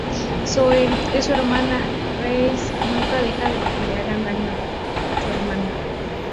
Zoe: es su hermana, Reese nunca deja que le hagan daño a su hermana.